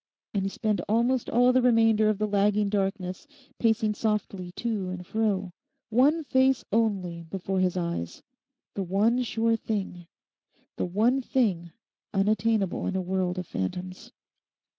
And he spent almost all the remainder of the lagging darkness pacing softly to and fro; one face only before his eyes, the one sure thing, the one thing unattainable in a world of phantoms.